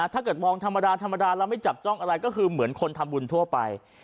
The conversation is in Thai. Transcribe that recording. ถ้าเห็นจับจ้องเราไม่จับจ้องก็คือเหมือนกับคนทำบุญทั่วไป